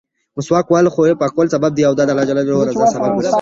مسواک وهل د خولې دپاکۍسبب دی او د الله جل جلاله درضا سبب ګرځي.